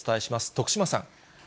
徳島さん。